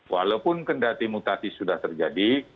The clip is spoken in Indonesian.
walaupun kendati mutasi sudah terjadi